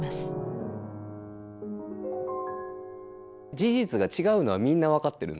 事実が違うのはみんな分かってるんですよ。